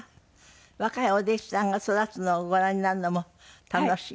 若いお弟子さんが育つのをご覧になるのも楽しい？